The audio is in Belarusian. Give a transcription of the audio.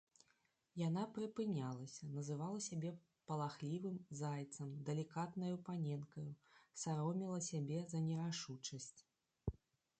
Яна прыпынялася, называла сябе палахлівым зайцам, далікатнаю паненкаю, сароміла сябе за нерашучасць.